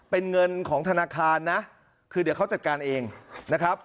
เป็นเงินของธนาคารนะคือเดี๋ยวเขาจัดการเองนะครับ